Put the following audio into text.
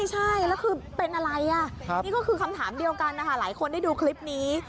ใช่แล้วคือเป็นอะไรนี่ก็คือคำถามเดียวกันนะคะหลายคนได้ดูคลิปนี้